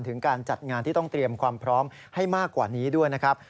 การจัดงานที่ต้องเตรียมความพร้อมให้มากกว่านี้ด้วยนะครับ